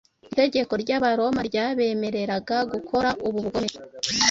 Itegeko ry’Abaroma ryabemereraga gukora ubu bugome